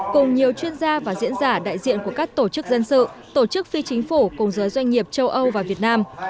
cùng nhiều chuyên gia và diễn giả đại diện của các tổ chức dân sự tổ chức phi chính phủ cùng giới doanh nghiệp châu âu và việt nam